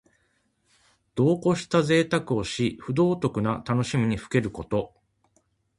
度をこしたぜいたくをし、不道徳な楽しみにふけること。